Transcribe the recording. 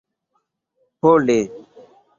pole